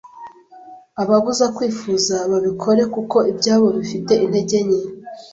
Ababuza kwifuza babikore kuko ibyabo bifite intege nke